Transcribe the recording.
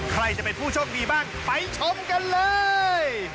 ใครจะเป็นผู้โชคดีบ้างไปชมกันเลย